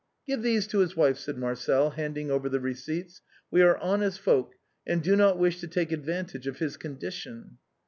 " Give these to his wife," said Marcel, handing over the receipts ;" we are honest folk, and do not wish to take ad vantage of his condition."